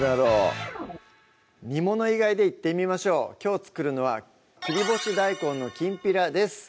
煮物以外でいってみましょうきょう作るのは「切り干し大根のきんぴら」です